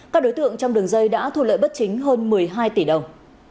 các đối tượng trong đường dây đã thu lợi bất chính hơn một mươi hai tỷ đồng